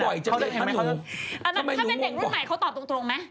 ถ้าเป็นเด็กรุ่นใหม่เขาตอบตรงตรงไหม